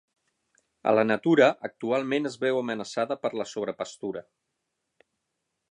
A la natura, actualment es veu amenaçada per la sobrepastura.